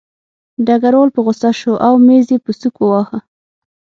ډګروال په غوسه شو او مېز یې په سوک وواهه